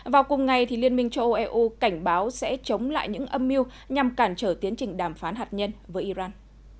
vào cùng ngày liên minh châu âu eu cảnh báo sẽ chống lại những âm mưu nhằm cản trở tiến trình đàm phán hạt nhân với iran